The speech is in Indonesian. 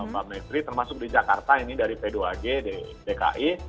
pak menteri termasuk di jakarta ini dari p dua g dari dki